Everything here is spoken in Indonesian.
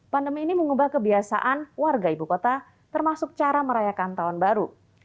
pandemi ini mengubah kebiasaan warga ibu kota termasuk cara merayakan tahun baru